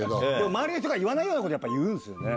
周りの人が言わないようなこと言うんすよね。